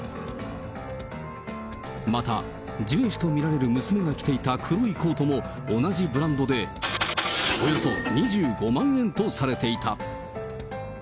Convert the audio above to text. また、ジュエ氏と見られる娘が着ていた黒いコートも、同じブランドでおよそ２５万円とされていた。